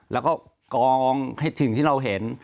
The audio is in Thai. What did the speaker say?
แล้วก็กองให้สิ่งที่เราเห็น